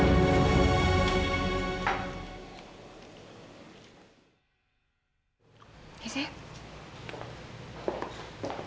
ambil permisi dulu ya